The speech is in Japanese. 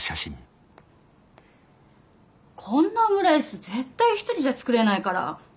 こんなオムライス絶対一人じゃ作れないから。